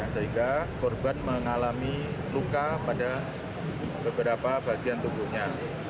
sehingga korban mengalami luka pada beberapa bagian tubuhnya